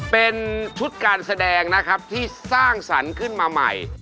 เป็นชุดการแสดงนะครับที่สร้างสรรค์ขึ้นมาใหม่